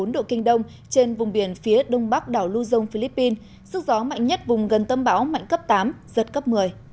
một trăm hai mươi ba bốn độ kinh đông trên vùng biển phía đông bắc đảo lưu dông philippines sức gió mạnh nhất vùng gần tâm báo mạnh cấp tám giật cấp một mươi